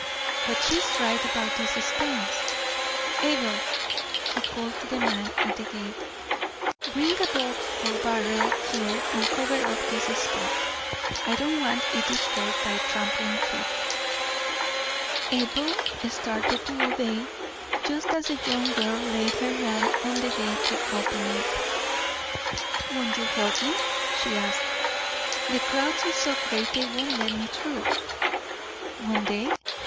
"But she is right about these stains. Abel," he called to the man at the gate, "bring a box or barrel here and cover up this spot. I don't want it disturbed by trampling feet." Abel started to obey, just as the young girl laid her hand on the gate to open it. "Won't you help me?" she asked. "The crowd is so great they won't let me through." "Won't they?"